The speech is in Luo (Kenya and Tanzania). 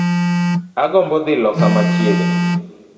Agombo dhii loka machiegni